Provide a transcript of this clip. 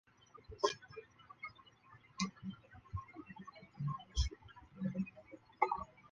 小坂也成为团内首位担任时尚杂志专属模特儿的成员。